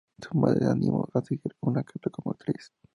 Su madre la animó a seguir una carrera como actriz.